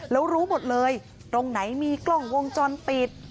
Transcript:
แล้วรู้หมดเลยตรงไหนมีกล้องวงจรปิด